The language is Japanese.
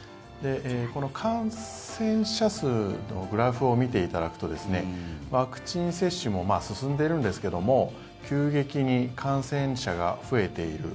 感染者数のグラフを見ていただくとワクチン接種も進んでるんですけども急激に感染者が増えている。